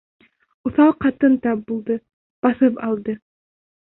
Уҫал ҡатын тап булды, баҫып алды.